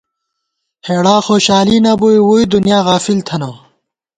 ہېڑا خوشالی نہ بُوئی، ووئی دُنیانہ غافل تھنہ